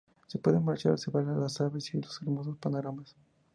Se puede marchar, observar las aves y los hermosos panoramas.